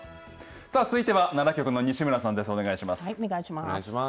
続いては奈良局の西村さんです。